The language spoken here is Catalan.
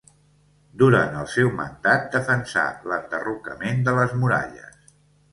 Durant el seu mandat defensà l'enderrocament de les muralles.